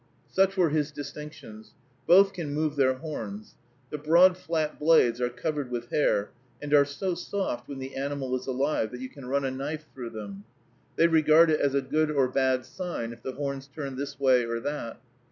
Such were his distinctions. Both can move their horns. The broad flat blades are covered with hair, and are so soft, when the animal is alive, that you can run a knife through them. They regard it as a good or bad sign, if the horns turn this way or that.